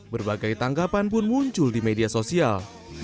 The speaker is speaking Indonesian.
berbagai tanggapan pun muncul di media sosial